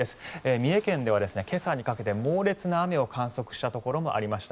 三重県では今朝にかけて猛烈な雨を観測したところもありました。